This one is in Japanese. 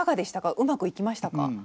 うまくいきましたか？